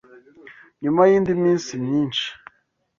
Nyuma y’indi minsi myinshi